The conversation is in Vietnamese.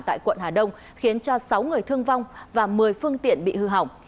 tại quận hà đông khiến cho sáu người thương vong và một mươi phương tiện bị hư hỏng